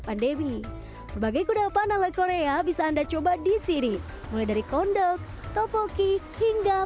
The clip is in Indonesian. pandemi berbagai kedopan ala korea bisa anda coba disini mulai dari kondok topoki hingga